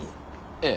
ええ。